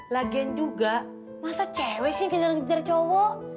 lagian juga masa cewek sih kejar kejar cowok